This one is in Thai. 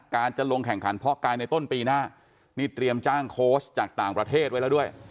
จะลงแข่งขันเพาะกายในต้นปีหน้านี่เตรียมจ้างโค้ชจากต่างประเทศไว้แล้วด้วย